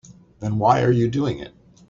Then why are you doing it?